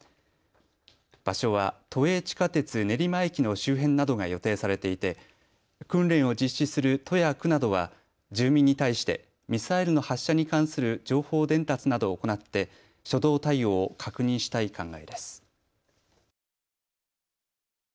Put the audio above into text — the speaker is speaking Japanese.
場所は都営地下鉄練馬駅の周辺などが予定されていて訓練を実施する都や区などは住民に対してミサイルの発射に関する情報伝達などを行って初動対応を確認したい考えです。